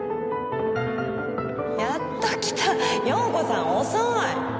やっと来た陽子さん遅い。